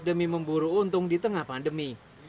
demi memburu untung di tengah pandemi